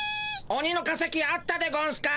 オニの化石あったでゴンスか？